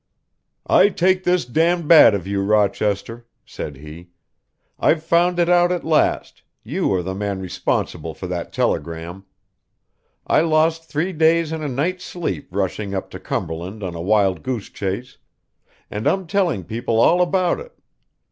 "I take this d d bad of you, Rochester," said he. "I've found it out at last, you are the man responsible for that telegram. I lost three days and a night's sleep rushing up to Cumberland on a wild goose chase, and I'm telling people all about it.